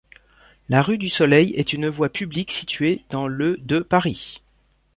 La rue du Soleil est une voie publique située dans le de Paris.